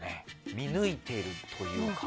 見抜いてるというか。